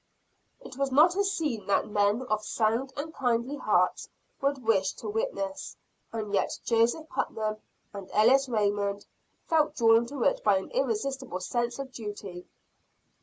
It was not a scene that men of sound and kindly hearts would wish to witness; and yet Joseph Putnam and Ellis Raymond felt drawn to it by an irresistible sense of duty.